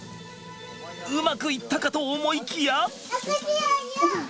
うまくいったかと思いきや。